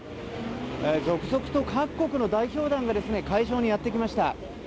続々と各国の代表団が会場にやってきました。